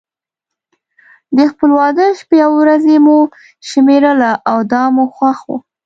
د خپل واده شپې او ورځې مو شمېرله او دا مو خوښ و.